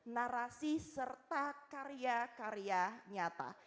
narasi serta karya karya nyata